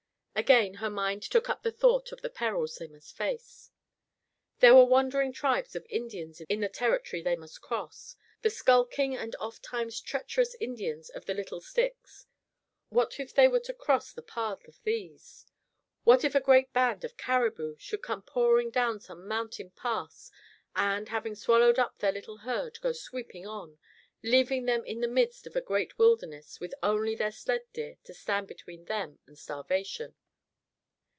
Again her mind took up the thought of the perils they must face. There were wandering tribes of Indians in the territory they must cross; the skulking and oft times treacherous Indians of the Little Sticks. What if they were to cross the path of these? What if a great band of caribou should come pouring down some mountain pass and, having swallowed up their little herd, go sweeping on, leaving them in the midst of a great wilderness with only their sled deer to stand between them and starvation.